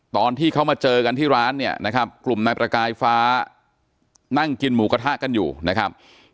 ตอนที่เขามาเจอกันที่ร้านเนี่ยนะครับกลุ่มนายประกายฟ้านั่งกินหมูกระทะกันอยู่นะครับ